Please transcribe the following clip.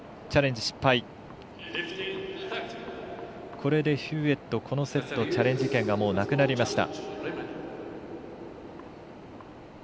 これで、ヒューウェットこのセット、チャレンジ権がもうなくなりました。